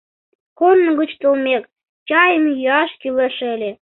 Корно гыч толмек, чайым йӱаш кӱлеш ыле.